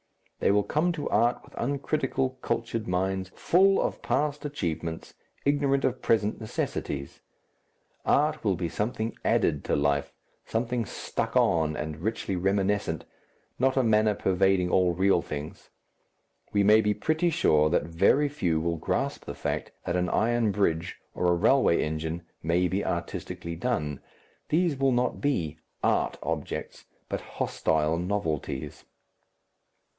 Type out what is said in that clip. They will come to art with uncritical, cultured minds, full of past achievements, ignorant of present necessities. Art will be something added to life something stuck on and richly reminiscent not a manner pervading all real things. We may be pretty sure that very few will grasp the fact that an iron bridge or a railway engine may be artistically done these will not be "art" objects, but hostile novelties.